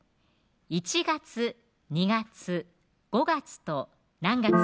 １月・２月・５月と何月